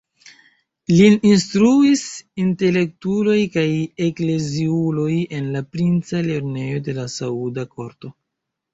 Lin instruis intelektuloj kaj ekleziuloj en la princa lernejo de la sauda korto.